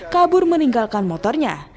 kabur meninggalkan motornya